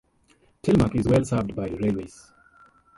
Telemark is well served by railways.